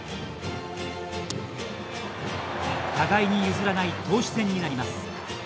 互いに譲らない投手戦になります。